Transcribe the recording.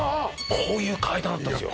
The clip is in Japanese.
こういう階段あったんですよ